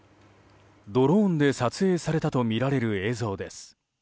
ドローンで撮影されたとみられる映像です。